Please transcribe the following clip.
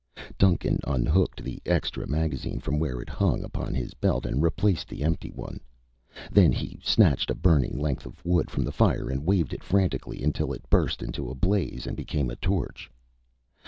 Duncan unhooked the extra magazine from where it hung upon his belt and replaced the empty one. Then he snatched a burning length of wood from the fire and waved it frantically until it burst into a blaze and became a torch.